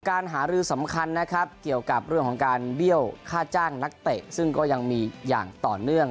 การหารือสำคัญนะครับเกี่ยวกับเรื่องของการเบี้ยวค่าจ้างนักเตะซึ่งก็ยังมีอย่างต่อเนื่อง